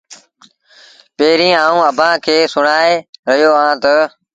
پيريٚݩ آئوٚنٚ اڀآنٚ کي سُڻآئي رهيو اهآنٚ تا